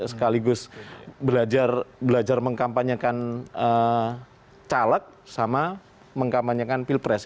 sekaligus belajar mengkampanyekan caleg sama mengkampanyekan pilpres